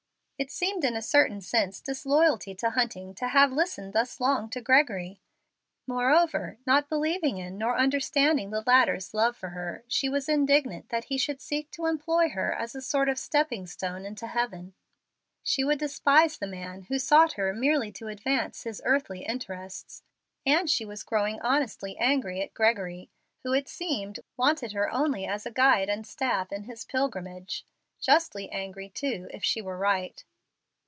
It seemed in a certain sense disloyalty to Hunting to have listened thus long to Gregory. Moreover, not believing in nor understanding the latter's love for her, she was indignant that he should seek to employ her as a sort of stepping stone into heaven. She would despise the man who sought her merely to advance his earthly interests, and she was growing honestly angry at Gregory, who, it seemed, wanted her only as a guide and staff in his pilgrimage justly angry, too, if she were right.